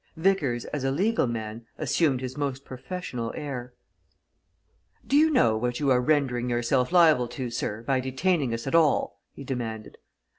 Vickers as a legal man, assumed his most professional air. "Do you know what you are rendering yourself liable to, sir, by detaining us at all?" he demanded.